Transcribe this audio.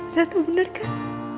tentu bener kan